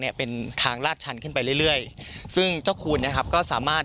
เป็นทางลาดชันขึ้นไปเรื่อยเรื่อยซึ่งเจ้าคูณนะครับก็สามารถ